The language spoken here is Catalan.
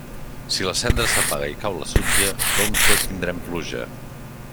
Si la cendra s'apaga i cau la sutja, prompte tindrem pluja.